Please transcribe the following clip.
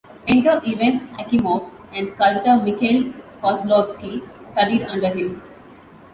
Painter Ivan Akimov and sculptor Mikhail Kozlovsky studied under him.